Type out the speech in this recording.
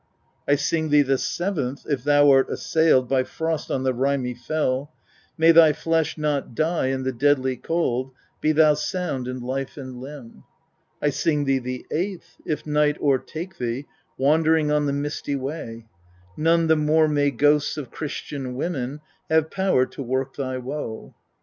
12. I sing thee the seventh : if thou art assailed by frost on the rimy fell, may thy flesh not die in the deadly cold ; be thou sound in life and limb. 13. I sing thee the eighth : if night o'ertake thee, wandering on the misty way, none the more may ghosts of Christian women have power to work thy woe.